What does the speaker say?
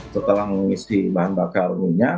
setelah mengisi bahan bakar minyak